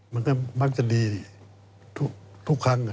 มันก็มักจะดีทุกครั้ง